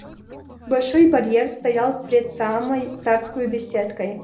Большой барьер стоял пред самой царскою беседкой.